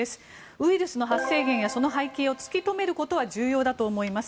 ウイルスの発生源やその背景を突き止めることは重要だと思います。